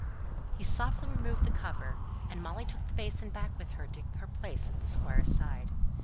He softly removed the cover, and Molly took the basin back with her to her place at the Squire's side.